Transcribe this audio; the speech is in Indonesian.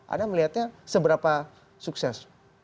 anda melihatnya seberapa sukses